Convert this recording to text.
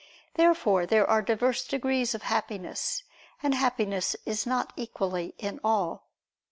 Therefore there are diverse degrees of Happiness, and Happiness is not equally in all.